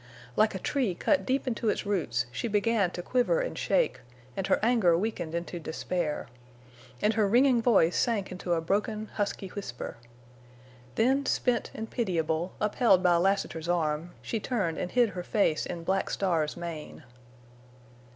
Like a tree cut deep into its roots, she began to quiver and shake, and her anger weakened into despair. And her ringing voice sank into a broken, husky whisper. Then, spent and pitiable, upheld by Lassiter's arm, she turned and hid her face in Black Star's mane.